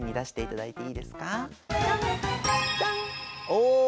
お！